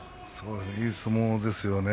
いい相撲ですよね